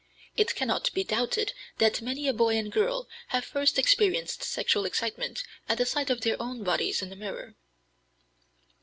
It cannot be doubted that many a boy and girl have first experienced sexual excitement at the sight of their own bodies in a mirror."